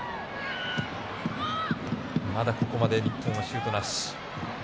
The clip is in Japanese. まだここまで日本はシュートなし。